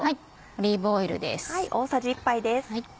オリーブオイルです。